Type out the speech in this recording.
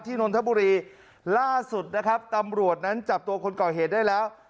นนทบุรีล่าสุดนะครับตำรวจนั้นจับตัวคนก่อเหตุได้แล้ว